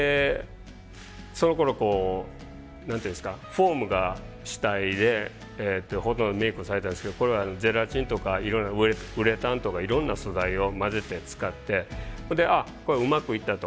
そのころこう何て言うんですかフォームが主体でほとんどメイクをされたんですけどこれはゼラチンとかいろんなウレタンとかいろんな素材を混ぜて使ってそれで「ああこれうまくいった」と。